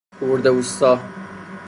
خرده اوستا